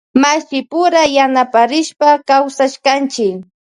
Mashipura yanaparishpa kawsashkanchi.